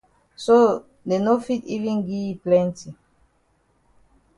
So dey no fit even gi yi plenti.